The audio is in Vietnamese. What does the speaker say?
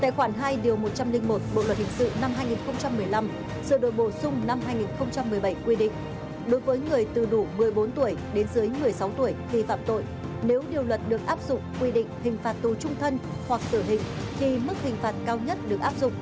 tại khoản hai điều một trăm linh một bộ luật hình sự năm hai nghìn một mươi năm sự đổi bổ sung năm hai nghìn một mươi bảy quy định đối với người từ đủ một mươi bốn tuổi đến dưới một mươi sáu tuổi khi phạm tội nếu điều luật được áp dụng quy định hình phạt tù trung thân hoặc tử hình thì mức hình phạt cao nhất được áp dụng